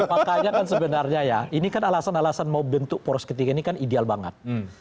makanya kan sebenarnya ya ini kan alasan alasan mau bentuk poros ketiga ini kan ideal banget